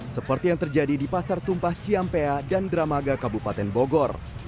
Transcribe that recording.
seperti yang terjadi di pasar tumpah ciampea dan dramaga kabupaten bogor